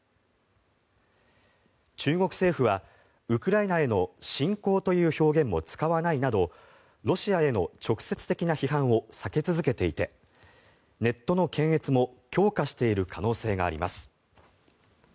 中国政府は、ウクライナへの侵攻という表現も使わないなどロシアへの直接的な批判を避け続けていてネットの検閲も強化している可能性があります。